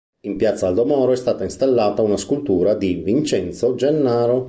In Piazza Aldo Moro, è stata installata una scultura di Vincenzo Gennaro.